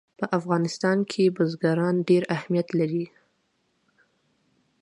په افغانستان کې بزګان ډېر اهمیت لري.